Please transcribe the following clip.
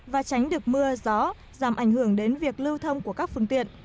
và tránh được mưa gió giảm ảnh hưởng đến việc lưu thông của các phương tiện